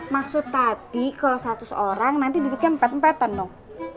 maksud tadi kalau seratus orang nanti duduknya empat empatan dong